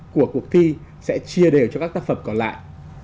của cuộc thi sẽ chia đều cho các tác phẩm còn lại